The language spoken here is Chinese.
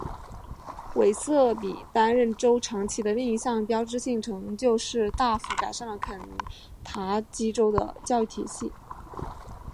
韦瑟比担任州长期间的另一项标志性成就是大幅改善了肯塔基州的教育系统。